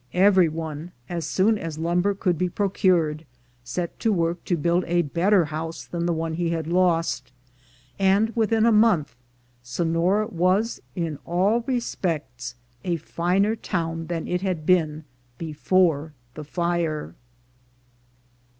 Every one, as soon as lumber could be procured, set to work to build a better house than the one he had lost; and within a month Sonora was in all respects a finer town than it had been before the fire.